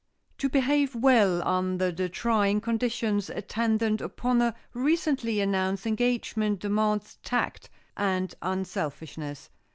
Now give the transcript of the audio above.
To behave well under the trying conditions attendant upon a recently announced engagement demands tact and unselfishness.